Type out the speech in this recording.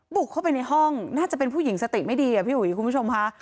บุกเข้าไปในห้องน่าจะเป็นผู้หญิงสติไม่ดีอะพี่อุ๋ยคุณผู้ชมค่ะ